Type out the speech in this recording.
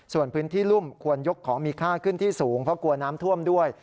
ส่วนพื้นที่รุ่มควรยกของมีค่าขึ้นที่สูงเพราะกลัวน้ำท่วมด้วย